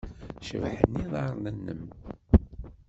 Cebḥen yiḍarren-nnem.